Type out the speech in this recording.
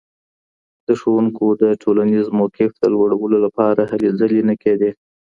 د ښوونکو د ټولنیز موقف د لوړولو لپاره هلې ځلې نه کيدې.